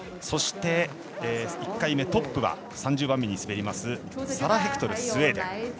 そして、１回目トップは３０番目に滑りますサラ・ヘクトル、スウェーデン。